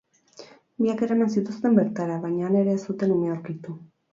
Biak eraman zituzten bertara, baina han ere ez zuten umea aurkitu.